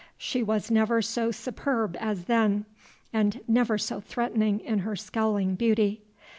She was never so superb as then, and never so threatening in her scowling beauty.